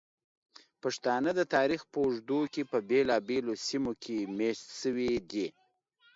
پښتانه د تاریخ په اوږدو کې په بېلابېلو سیمو کې میشت شوي دي.